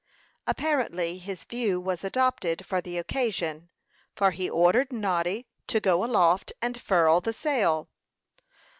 Apparently his view was adopted for the occasion, for he ordered Noddy to go aloft and furl the sail.